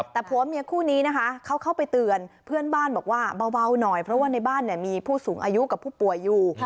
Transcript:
แต่ผัวเมียคู่นี้นะคะเขาเข้าไปเตือนเพื่อนบ้านบอกว่าเบาหน่อยเพราะว่าในบ้านมีผู้สูงอายุกับผู้ป่วยอยู่